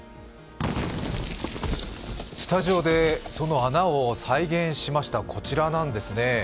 スタジオでその穴を再現しました、こちらなんですね。